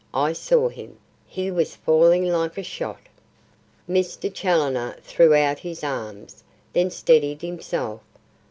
I saw him; he was falling like a shot." Mr. Challoner threw out his arms, then steadied himself.